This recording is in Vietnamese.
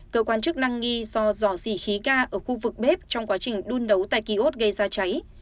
cơ quan chức năng nghi do dò xỉ khí ga ở khu vực bếp trong quá trình đun đấu tại ký ốt gây ra cháy